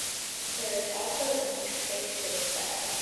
There is also an interface to Excel.